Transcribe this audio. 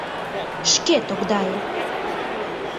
— Шке тогдае!